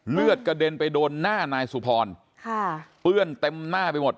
เลือดกระเด็นไปโดนหน้านายสุพรค่ะเปื้อนเต็มหน้าไปหมด